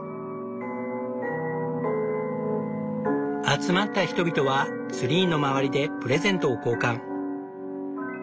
集まった人々はツリーの周りでプレゼントを交換。